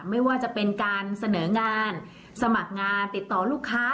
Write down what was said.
ไม่ว่าจะเป็นการเสนองานสมัครงานติดต่อลูกค้า